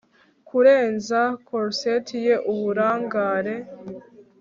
kurenza corset ye uburangare